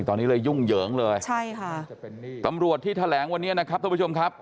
ตอนนี้เลยยุ่งเหยิงเลยใช่ค่ะตำรวจที่แถลงวันนี้นะครับท่านผู้ชมครับ